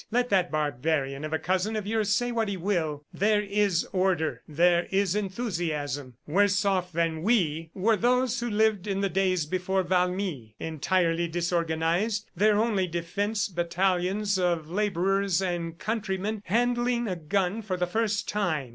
Let that barbarian of a cousin of yours say what he will there is order, there is enthusiasm. ... Worse off than we were those who lived in the days before Valmy. Entirely disorganized, their only defense battalions of laborers and countrymen handling a gun for the first time.